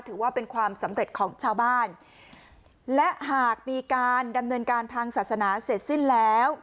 ถือว่าเป็นความสำเร็จของชาวบ้านและหากมีการดำเนินการทางศาสนาเสร็จสิ้นแล้ว